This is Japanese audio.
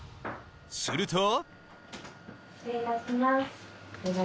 すると］